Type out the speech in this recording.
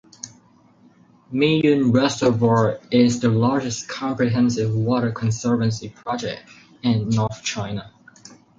Miyun Reservoir is the largest comprehensive water conservancy project in North China.